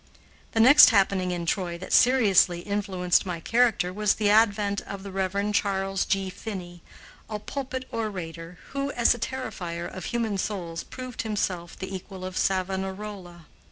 The next happening in Troy that seriously influenced my character was the advent of the Rev. Charles G. Finney, a pulpit orator, who, as a terrifier of human souls, proved himself the equal of Savonarola.